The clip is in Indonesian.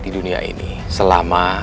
di dunia ini selama